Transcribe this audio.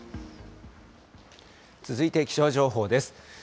続いて気象情報です。